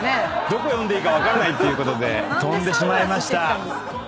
どこ読んでいいか分かんないってことで飛んでしまいました。